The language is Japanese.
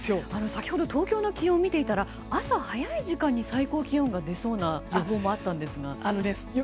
先ほど東京の気温を見ていたら朝早い時間に最高気温が出そうな予報もあったんですが。